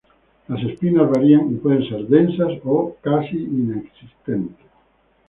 Las espinas varían y pueden ser densas o casi inexistentes.